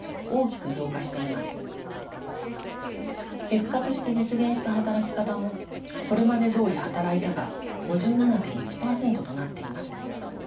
「結果として実現した働き方」も「これまでどおり働いた」が５７．１％となっています。